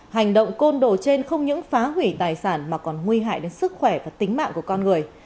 hành động côn đồ trên không những phá hủy tài sản mà còn nguy hại đến sức khỏe và tính mạng của con người